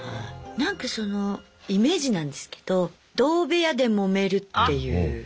なんかそのイメージなんですけど同部屋でもめるっていう。